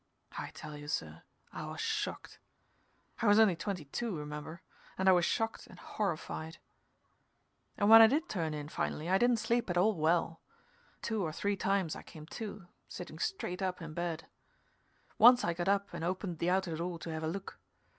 I tell you, sir, I was shocked. I was only twenty two remember, and I was shocked and horrified. And when I did turn in, finally, I didn't sleep at all well. Two or three times I came to, sitting straight up in bed. Once I got up and opened the outer door to have a look.